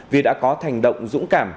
vì đã có thành động dũng cảm